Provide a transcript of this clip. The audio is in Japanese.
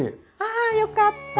ああよかった！